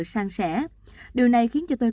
sang sẻ điều này khiến cho tôi